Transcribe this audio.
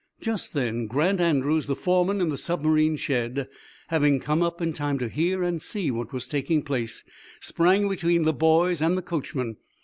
Just then Grant Andrews, the foreman in the submarine shed, having come up in time to hear and see what was taking place, sprang between the boys and the coachman.